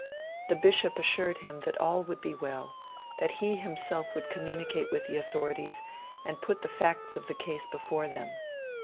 The Bishop assured him that all would be well; that he himself would communicate with the authorities, and put the facts of the case before them.